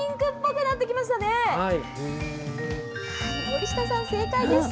森下さん、正解です。